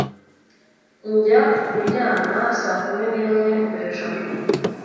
Njya kuryama saa kumi nimwe buri joro